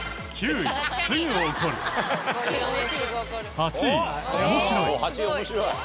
８位面白い。